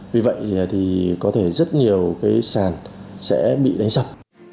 vì vậy thì có thể rất nhiều cái sàn sẽ bị đánh sập